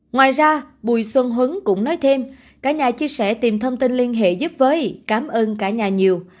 ngoài ra bùi xuân hứng cũng nói thêm cả nhà chia sẻ tìm thông tin liên hệ giúp với cảm ơn cả nhà nhiều